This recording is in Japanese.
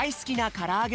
からあげ。